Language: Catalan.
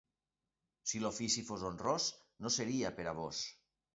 Si l'ofici fos honrós no seria per a vós.